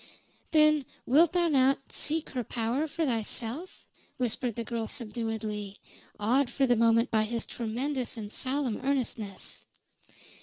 "Then wilt thou not seek her power for thyself?" whispered the girl subduedly, awed for the moment by his tremendous and solemn earnestness.